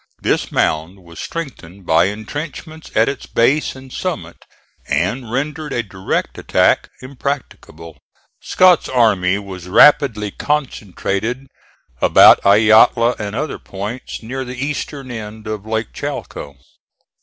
This mound was strengthened by intrenchments at its base and summit, and rendered a direct attack impracticable. Scott's army was rapidly concentrated about Ayotla and other points near the eastern end of Lake Chalco.